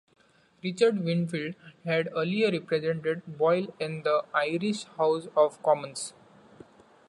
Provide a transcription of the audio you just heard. Richard Wingfield had earlier represented Boyle in the Irish House of Commons.